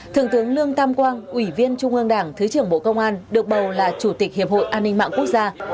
thượng tướng lương tam quang ủy viên trung ương đảng thứ trưởng bộ công an được bầu là chủ tịch hiệp hội an ninh mạng quốc gia